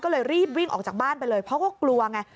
ก็เลยรีบวิ่งออกจากบ้านไปเลยเพราะก็กลัวไง